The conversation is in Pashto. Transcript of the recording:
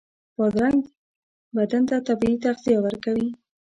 بادرنګ بدن ته طبعي تغذیه ورکوي.